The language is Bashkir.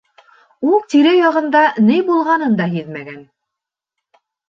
Ул тирә-яғында ни булғанын да һиҙмәгән.